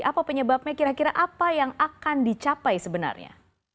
apa penyebabnya kira kira apa yang akan dicapai sebenarnya